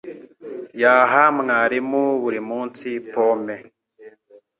Yaha mwarimu buri munsi pome.